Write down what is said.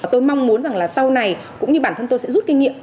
tôi mong muốn rằng là sau này cũng như bản thân tôi sẽ rút kinh nghiệm